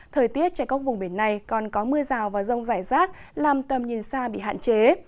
thời tiết trên các vùng biển này còn có mưa rào và rông rải rác làm tầm nhìn xa bị hạn chế